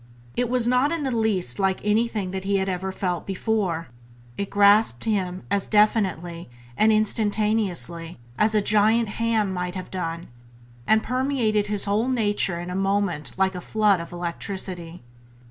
It was not in the least like anything that he had ever felt before; it grasped him as definitely and instantaneously as a giant hand might have done, and permeated his whole nature in a moment like a flood of electricity.